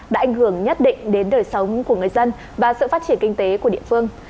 đã ảnh hưởng nhất định đến đời sống của người dân và sự phát triển kinh tế của địa phương